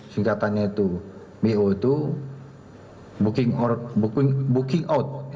singkatannya itu bo itu booking out